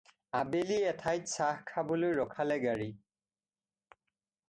আবেলি এঠাইত চাহ খাবলৈ ৰখালে গাড়ী।